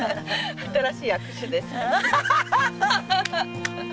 新しい握手ですね。